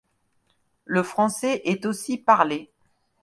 Le français est aussi parlé.